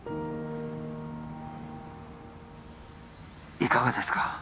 いかがですか？